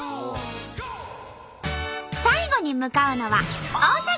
最後に向かうのは大阪。